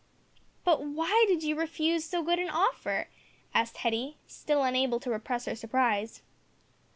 "But why did you refuse so good an offer?" asked Hetty, still unable to repress her surprise.